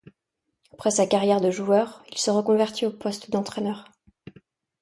Après sa carrière de joueur, il se reconvertit au poste d'entraîneur.